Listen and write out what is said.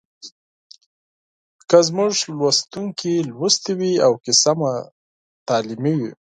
که زموږ لوستونکي لوستې وي او کیسه مو تعلیمي وي